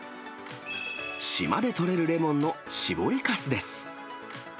島で取れるレモンの搾りかすです。